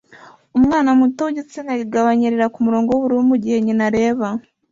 Umwana muto wigitsina gabo anyerera kumurongo wubururu mugihe nyina areba